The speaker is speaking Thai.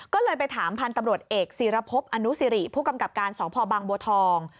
ก็เลยไปถามพันธุ์ตำรวจเอกศิรพบอนุสิริผู้กำกับการสพบางบัวทอง